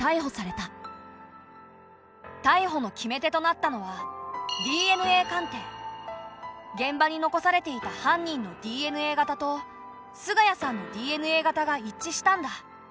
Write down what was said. たいほの決め手となったのは現場に残されていた犯人のＤＮＡ型と菅家さんのＤＮＡ型が一致したんだ。